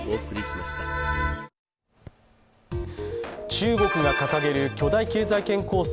中国が掲げる巨大経済圏構想